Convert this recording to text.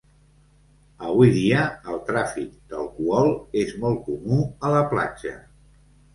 Avui dia, el tràfic d'alcohol és molt comú a la platja.